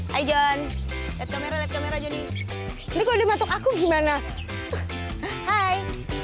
hai john kamera kamera jadi ini kalau dimatuk aku gimana hai